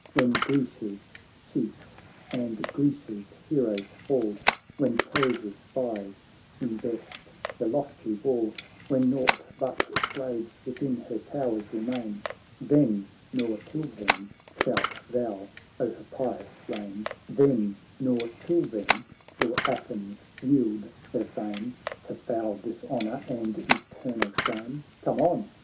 When Grecia'schiefsand Grecia's heroes fall, When Persia's fires invest her lofty wall, When nought but slaves within her towers remain ; Then, nor till then, shalt thou, O Hippias, 1 eign, Then, nor till then, will Athens yield her fame To foul dishonour and eternal shame ! Come on